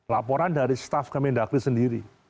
laporan dari staff kementerian dalam negeri sendiri